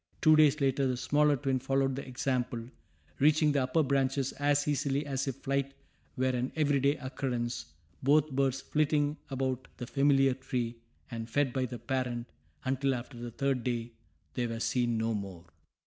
Two days later the smaller twin followed the example, reaching the upper branches as easily as if flight were an every day occurrence, both birds flitting about the familiar tree, and fed by the parent, until after the third day, they were seen no more.